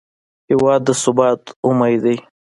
هېواد د ثبات امید دی.